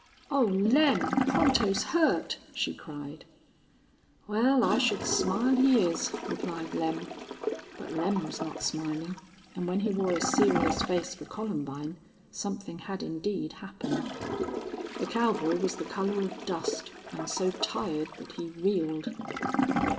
"Oh, Lem Pronto's hurt!" she cried. "Wal, I should smile he is," replied Lem. But Lem was not smiling. And when he wore a serious face for Columbine something had indeed happened. The cowboy was the color of dust and so tired that he reeled.